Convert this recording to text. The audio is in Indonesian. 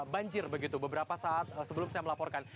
banjir begitu beberapa saat sebelum saya melaporkan